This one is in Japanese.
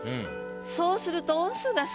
そうすると。